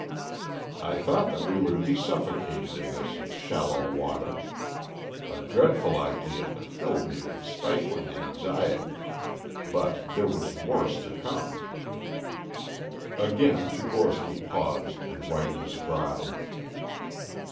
I thought that we were to be suffocated in this shallow water a dreadful idea that filled me with stifling anxiety but there was worse to come." Again Tchigorsky paused and wiped his brow.